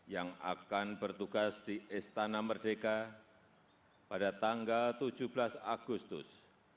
yang akan bertugas di istana merdeka pada tanggal tujuh belas agustus dua ribu dua puluh dua